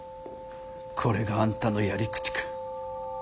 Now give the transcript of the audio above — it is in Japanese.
これがあんたのやり口か。